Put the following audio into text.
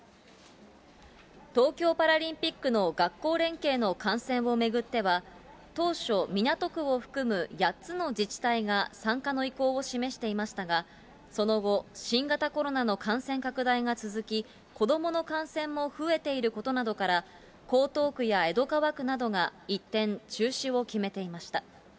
東京パラリンピックの学校連携の観戦を巡っては、当初、港区を含む８つの自治体が参加の意向を示していましたが、その後、新型コロナの感染拡大が続き、子どもの感染も増えていることなどから、江東区や江戸川区などが一転、中止を決めていました。